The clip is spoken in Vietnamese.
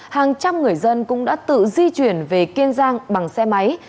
hàng trăm người dân cũng đã tự di chuyển về kiên giang bằng xe máy